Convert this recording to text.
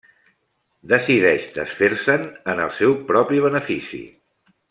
Decideix desfer-se'n en el seu propi benefici.